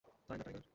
তাই না, টাইগার?